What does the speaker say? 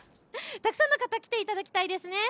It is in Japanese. たくさんの方に来ていただきたいですね。